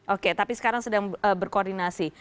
oke tapi sekarang sedang berkoordinasi